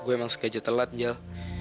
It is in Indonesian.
gue emang sekejap telat jel